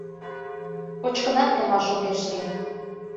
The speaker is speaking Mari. Кочкынат темаш огеш лий.